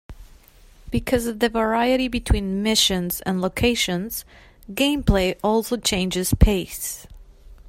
Because of the variety between missions and locations, gameplay also changes pace.